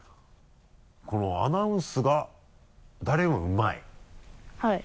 この「アナウンスが誰よりもうまい」はい。